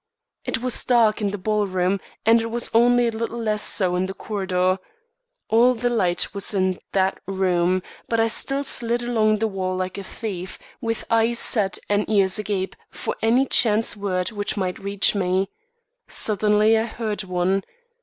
It was dark in the ballroom, and it was only a little less so in the corridor. All the light was in that room; but I still slid along the wall like a thief, with eyes set and ears agape for any chance word which might reach me. Suddenly I heard one.